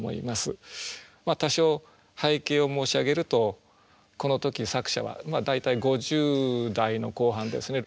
まあ多少背景を申し上げるとこの時作者は大体５０代の後半ですね。